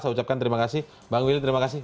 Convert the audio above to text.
saya ucapkan terima kasih bang willy terima kasih